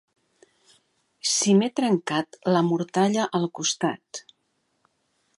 Si m'he trencat, la mortalla al costat.